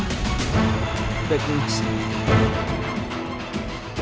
baiklah masya allah